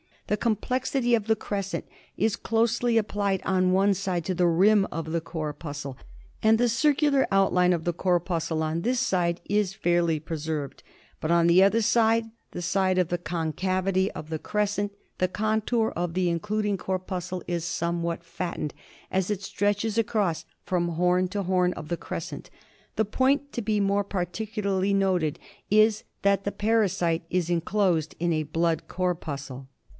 The convexity of the crescent is closely appHed on one side to the rim of the corpuscle, and the circular outline of the corpuscle on this side is fairly preserved ; but on the other side, the side of the concavity of the crescent, 88 MALARIA. the contour of the including corpuscle is somewhat fattened as it stretches across from horn to horn of the .crescent. f The point to be more particularly noted is that the parasite is enclosed in a blood corpuscle.